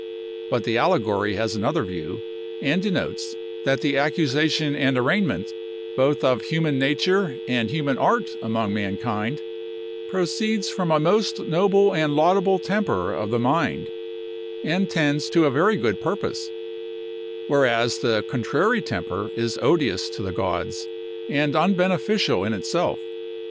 But the allegory has another view, and denotes, that the accusation and arraignment, both of human nature and human art among mankind, proceeds from a most noble and laudable temper of the mind, and tends to a very good purpose; whereas the contrary temper is odious to the gods, and unbeneficial in itself.